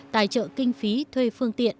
tài trợ kinh phí thuê phương tiện